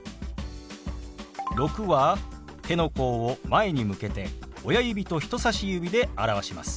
「６」は手の甲を前に向けて親指と人さし指で表します。